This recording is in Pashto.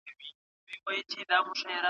اګوستين د خدای د ښار څښتن بلل کيږي.